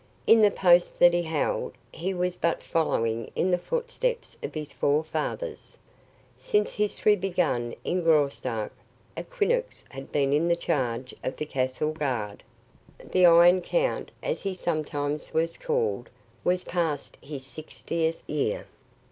In the post that he held, he was but following in the footsteps of his forefathers. Since history began in Graustark, a Quinnox had been in charge of the castle guard. The "Iron Count," as he sometimes was called, was past his sixtieth year.